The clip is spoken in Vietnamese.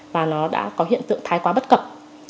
và nó đã có hiện tượng thái quá bất cập